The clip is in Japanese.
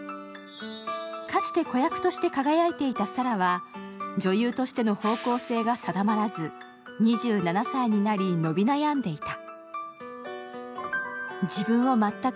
かつて子役として輝いていた沙良は女優としての方向性が定まらず、２７歳になり伸び悩んでいた。